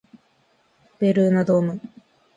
ベルーナドーム